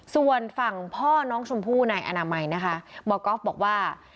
ส่วนฝั่งพ่อน้องชมพู่นายอนามัยนะคะหมอก๊อฟบอกว่า